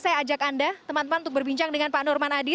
saya ajak anda teman teman untuk berbincang dengan pak nurman adi